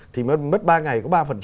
thì mất ba ngày có ba